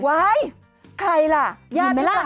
ใครล่ะญาติหรือเปล่า